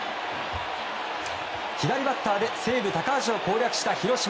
左バッターで西武、高橋を攻略した広島。